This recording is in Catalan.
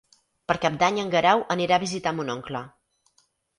Per Cap d'Any en Guerau anirà a visitar mon oncle.